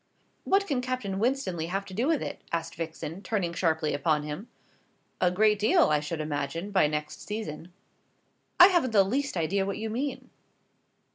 "What can Captain Winstanley have to do with it?" asked Vixen, turning sharply upon him. "A great deal, I should imagine, by next season." "I haven't the least idea what you mean."